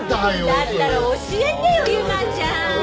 だったら教えてよ由真ちゃん。